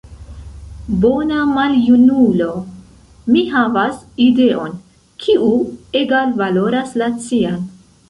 «Bona maljunulo», mi havas ideon, kiu egalvaloras la cian.